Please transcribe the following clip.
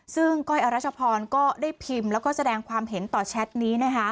ซึ่งก้อยอรัชพรก็ได้พิมพ์แล้วก็แสดงความเห็นต่อแชทนี้นะคะ